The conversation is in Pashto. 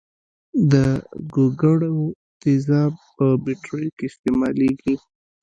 د ګوګړو تیزاب په بټریو کې استعمالیږي.